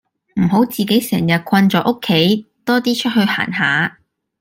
唔好自己成日困在屋企多啲出去行下